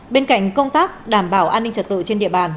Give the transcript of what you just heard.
bên cạnh công tác đảm bảo an ninh trật tự trên địa bàn